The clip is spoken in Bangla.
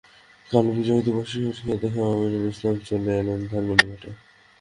কাল বিজয় দিবস ক্রিকেট দেখতেও আমিনুল ইসলাম চলে এলেন ধানমন্ডি মাঠে।